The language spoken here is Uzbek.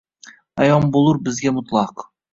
Аyon boʼlur sizga mutlaq